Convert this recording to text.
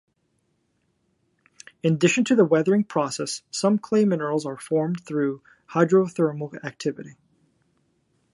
In addition to the weathering process, some clay minerals are formed through hydrothermal activity.